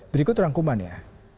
berikut rangkuman ya